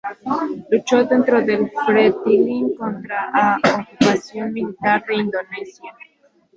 Luchó dentro del Fretilin contra a ocupación militar de Indonesia.